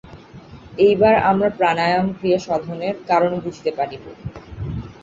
এইবার আমরা প্রাণায়াম-ক্রিয়া সাধনের কারণ বুঝিতে পারিব।